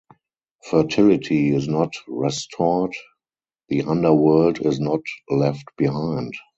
Fertility is not restored, the underworld is not left behind.